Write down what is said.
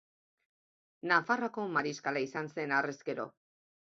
Nafarroako mariskala izan zen harrezkero.